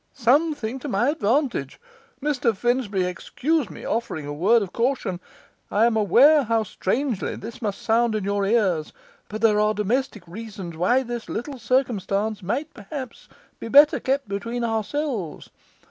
SOMETHING TO MY ADVANTAGE? Mr Finsbury, excuse me offering a word of caution; I am aware how strangely this must sound in your ears, but there are domestic reasons why this little circumstance might perhaps be better kept between ourselves.